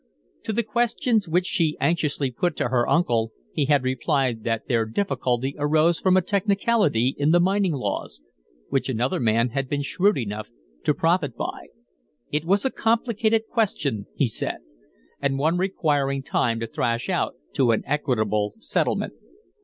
To the questions which she anxiously put to her uncle he had replied that their difficulty arose from a technicality in the mining laws which another man had been shrewd enough to profit by. It was a complicated question, he said, and one requiring time to thrash out to an equitable settlement.